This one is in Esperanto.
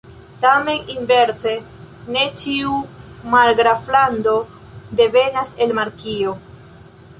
Tamen inverse, ne ĉiu margraflando devenas el markio.